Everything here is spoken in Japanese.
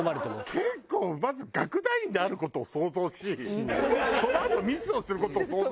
結構まず楽団員である事を想像しそのあとミスをする事を想像。